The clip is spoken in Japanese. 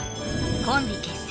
コンビ結成